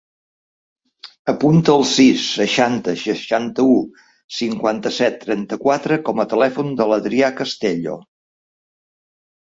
Apunta el sis, seixanta, seixanta-u, cinquanta-set, trenta-quatre com a telèfon de l'Adrià Castello.